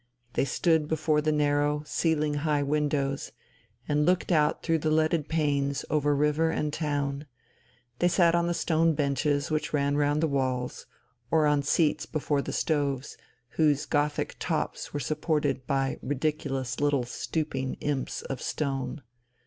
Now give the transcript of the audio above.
They stood before the narrow, ceiling high windows, and looked out through the leaded panes over river and town; they sat on the stone benches which ran round the walls, or on seats before the stoves, whose Gothic tops were supported by ridiculous little stooping imps of stone.